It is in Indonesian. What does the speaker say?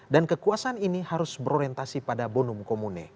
dan kekuasaan ini harus berorientasi pada bonum commune